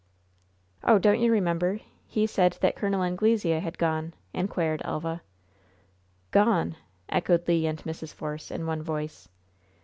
"Oh, don't you remember, he said that Col. Anglesea had gone?" inquired Elva. "Gone!" echoed Le and Mrs. Force, in one voice.